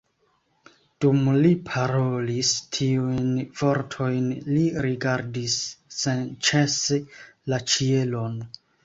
Dum li parolis tiujn vortojn, li rigardis senĉese la ĉielon.